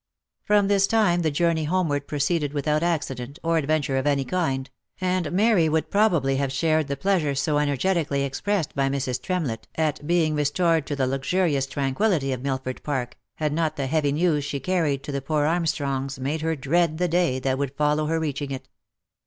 From this time the journey homeward proceeded without accident or adventure of any kind, and Mary would probably have shared the pleasure so energetically expressed by Mrs. Tremlett at being restored to the luxurious tranquillity of Milford Park, had not the heavy news, she carried to the poor Armstrongs made her dread the day that would follow her reaching it.